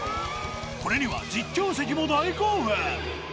これには実況席も大興奮！